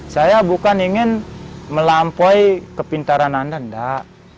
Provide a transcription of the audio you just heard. saya bukan ingin melampaui kepintaran anda enggak